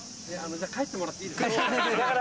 帰ってもらっていいですか？